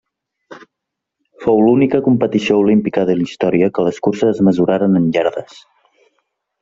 Fou l'única competició olímpica de la història que les curses es mesuraren en iardes.